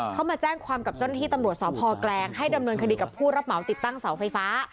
เขามาแจ้งความกับเจ้าหน้าที่ตำรวจสพแกลงให้ดำเนินคดีกับผู้รับเหมาติดตั้งเสาไฟฟ้า